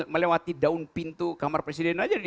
melewati daun pintu kamar presiden aja